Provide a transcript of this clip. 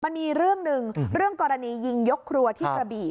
มันมีเรื่องหนึ่งเรื่องกรณียิงยกครัวที่กระบี่